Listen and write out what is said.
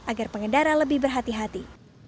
agar pengendara lebih berhati hati